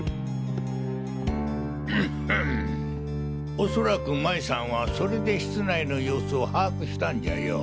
おそらく麻衣さんはそれで室内の様子を把握したんじゃよ。